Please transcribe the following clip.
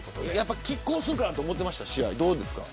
拮抗すると思っていましたか。